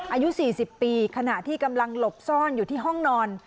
อายุ๔๐ปีขณะที่กำลังหลบซ่อนอยู่ที่ห้องนอน